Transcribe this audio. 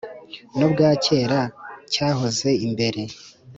n’ubwa kera cyahoze imbere